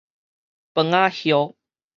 楓仔葉